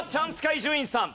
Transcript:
伊集院さん。